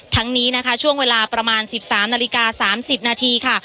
ทั้งนี้นะคะช่วงเวลาประมาณสิบสามนาฬิกาสามสิบนาทีค่ะ